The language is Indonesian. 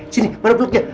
sini pada vlognya